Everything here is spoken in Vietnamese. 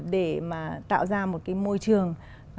để mà tạo ra một cái môi trường